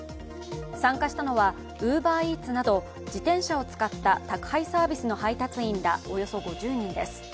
参加したのはウーバーイーツなど自転車を使った宅配サービスの配達員らおよそ５０人です。